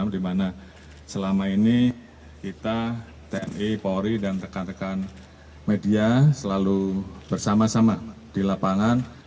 di mana selama ini kita tni polri dan rekan rekan media selalu bersama sama di lapangan